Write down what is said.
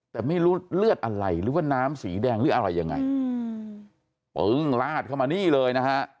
แต่ไม่รู้เลือดอะไรหรือว่าน้ำสีแดงหรืออะไรยังไงอืมปึ้งลาดเข้ามานี่เลยนะฮะ